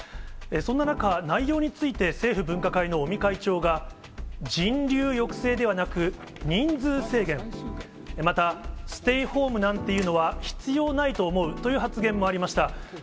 そんな中、内容について政府分科会の尾身会長が、人流抑制ではなく、人数制限、また、ステイホームなんていうのは必要ないと思うという発言もありました。